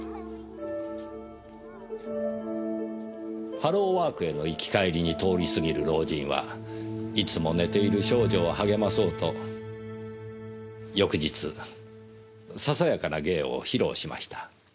ハローワークへの行き帰りに通り過ぎる老人はいつも寝ている少女を励まそうと翌日ささやかな芸を披露しました。